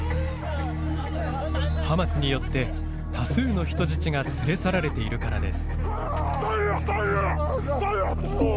ハマスによって多数の人質が連れ去られているからです。